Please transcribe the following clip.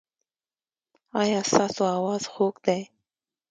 ایا ستاسو اواز خوږ دی؟